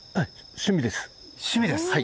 趣味です。